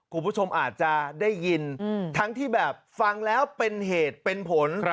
คุณผู้ชมอาจจะได้ยินทั้งที่แบบฟังแล้วเป็นเหตุเป็นผล